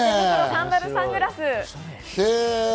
サンダル、サングラス。